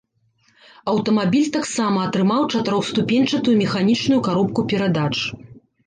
Аўтамабіль таксама атрымаў чатырохступеньчатую механічную каробку перадач.